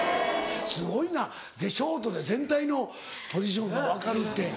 すごいなショートで全体のポジションが分かるって。